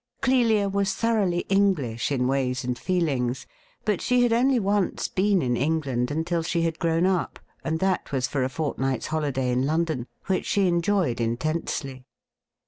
Clelia was thoroughly English in ways and feelings, but she had only once been in England until she had grown up, and that was for a fortnight's holiday in London, which she enjoyed intensely.